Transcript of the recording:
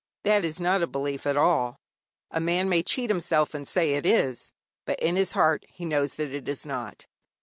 That is not a belief at all. A man may cheat himself, and say it is, but in his heart he knows that it is not.